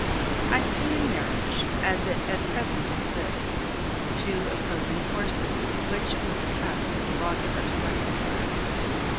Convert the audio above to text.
I see in marriage, as it at present exists, two opposing forces which it was the task of the lawgiver to reconcile.